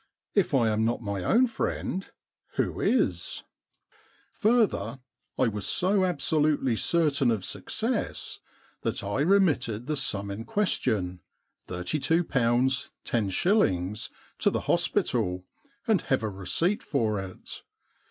(If I am not my own friend, who 196 The Threepenny Problem is ?) Further, I was so absolutely certain of success that I remitted the sum in question, thirty two pounds ten shillings, to the hospital and have a receipt for it.